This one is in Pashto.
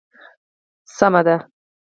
سمه ده.